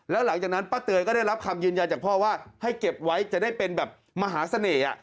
แล้วหลังจากนั้นป้าเตยก็ได้รับคำยืนยันจากพ่อว่าให้เก็บไว้จะได้เป็นแบบมหาเสน่ห์